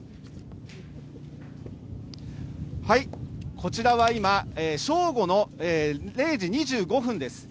こちらは今、正午の０時２５分です。